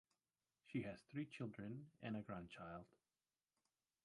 She has three children and a grandchild.